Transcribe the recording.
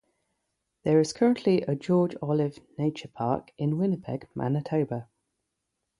There is currently a George Olive Nature Park in Winnipeg Manitoba.